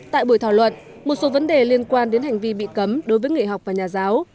tại buổi thảo luận một số vấn đề liên quan đến hành vi bị cấm đối với nghệ học và nhà giáo